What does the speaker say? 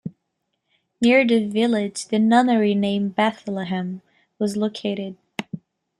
Near the village the nunnery named Bethlehem was located.